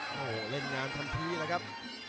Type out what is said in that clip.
โอ้โหเล่นงานทันทีแล้วครับ